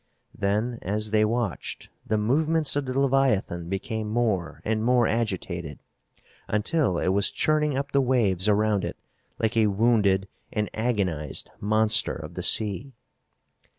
Then, as they watched, the movements of the leviathan became more and more agitated, until it was churning up the waves around it like a wounded and agonized monster of the sea.